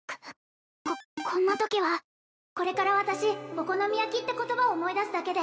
こっこんな時はこれから私お好み焼きって言葉を思い出すだけで